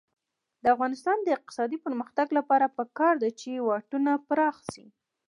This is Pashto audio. د افغانستان د اقتصادي پرمختګ لپاره پکار ده چې واټونه پراخ شي.